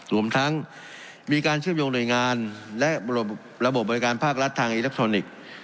รวมทั้งมีการเชื่อมโยงหน่วยงานและระบบบริการภาครัฐทางอิเล็กทรอนิกส์